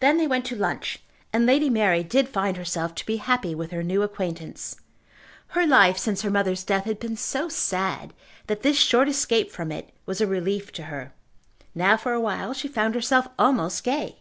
Then they went to lunch, and Lady Mary did find herself to be happy with her new acquaintance. Her life since her mother's death had been so sad, that this short escape from it was a relief to her. Now for awhile she found herself almost gay.